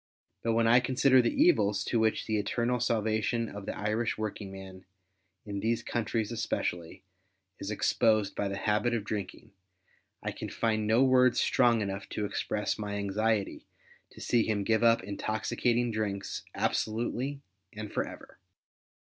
But when I consider the evils to which the eternal salvation of the Irish working man, in these countries especially, is exposed by the habit of drinking, I can find no words strong enough to express my anxiety to see him give up intoxicating drinks absolutely and for ever.